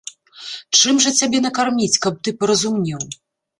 Чым жа цябе накарміць, каб ты паразумнеў?